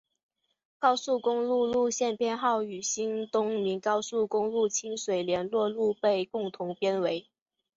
高速公路路线编号与新东名高速公路清水联络路被共同编为。